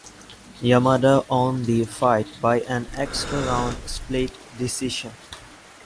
Yamada won the fight by an extra round split decision.